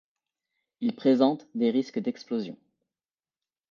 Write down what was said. Il présente des risques d'explosion.